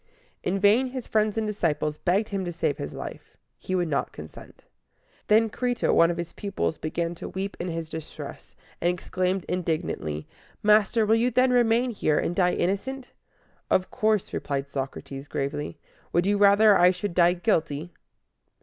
In vain his friends and disciples begged him to save his life: he would not consent. Then Cri´to, one of his pupils, began to weep, in his distress, and exclaimed indignantly, "Master, will you then remain here, and die innocent?" "Of course," replied Socrates, gravely. "Would you rather I should die guilty?"